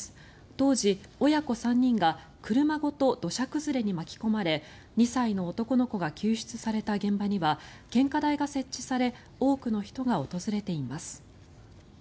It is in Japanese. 当時、親子３人が車ごと土砂崩れに巻き込まれ２歳の男の子が救出された現場には献花台が設置され多くの人が訪れています。